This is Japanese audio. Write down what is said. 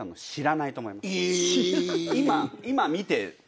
今見て。